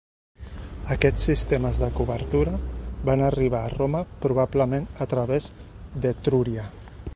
Aquests sistemes de cobertura van arribar a Roma probablement a través d'Etrúria.